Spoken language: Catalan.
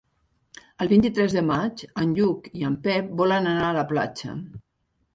El vint-i-tres de maig en Lluc i en Pep volen anar a la platja.